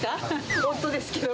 夫ですけれども。